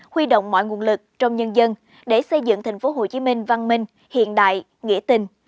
huy động mọi nguồn lực trong nhân dân để xây dựng tp hcm văn minh hiện đại nghĩa tình